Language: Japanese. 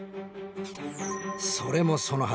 それもそのはず。